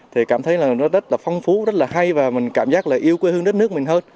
thì cảm thấy là nó rất là phong phú rất là hay và mình cảm giác là yêu quê hương đất nước mình hơn